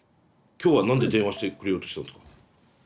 今日は何で電話してくれようとしたんですか？